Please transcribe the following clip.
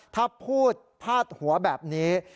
ถ้าพูดพาดหัวแบบนี้